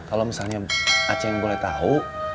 kalau misalnya aceh yang boleh tahu